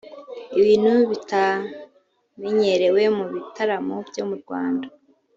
ibintu bitamenyerewe mu bitaramo byo mu Rwanda